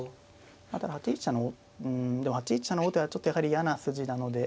ただ８一飛車のうんでも８一飛車の王手はちょっとやはり嫌な筋なので。